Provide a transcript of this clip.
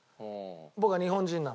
僕は日本人なので。